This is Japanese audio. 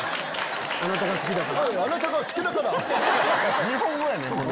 「あなたが好きだから」。